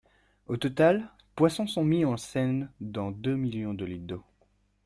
Au total, poissons sont mis en scène dans deux millions de litres d'eau.